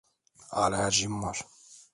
Alerjim var.